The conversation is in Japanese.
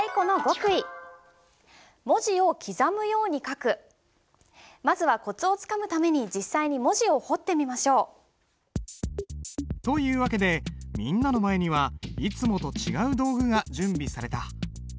ここでまずはコツをつかむために実際に文字を彫ってみましょう。という訳でみんなの前にはいつもと違う道具が準備された。